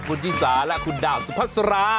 คุณชิสาและคุณดาวสุพัสรา